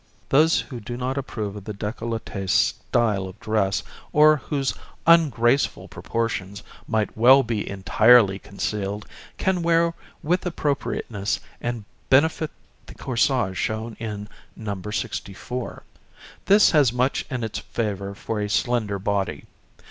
64] Those who do not approve of the d├®collet├® style of dress, or whose ungraceful proportions might well be entirely concealed, can wear with appropriateness and benefit the corsage shown in No. 64. This has much in its favor for a slender body.